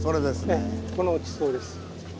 ええこの地層です。